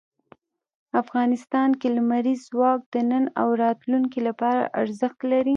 افغانستان کې لمریز ځواک د نن او راتلونکي لپاره ارزښت لري.